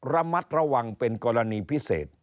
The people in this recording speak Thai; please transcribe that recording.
ระมัดระวังเป็นกรณีพิเศษ